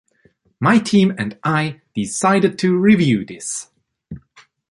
My team and I decided to review this.